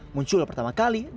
muncul pertama kali